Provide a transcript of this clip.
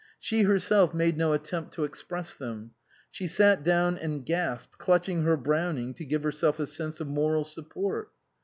She herself made no attempt to express them. She sat down and gasped, clutching her Brown ing to give herself a sense of moral support.